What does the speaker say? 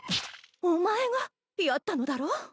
お前がやったのだろう？